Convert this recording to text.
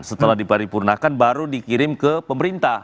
setelah diparipurnakan baru dikirim ke pemerintah